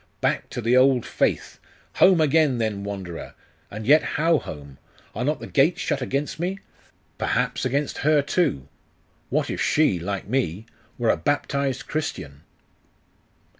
Back to the old faith! Home again, then wanderer! And yet how home? Are not the gates shut against me? Perhaps against her too.... What if she, like me, were a baptized Christian?